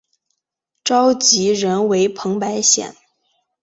召集人为彭百显。